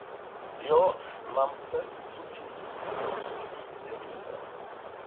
Ja, mamsell Sofies också det vill jag säga.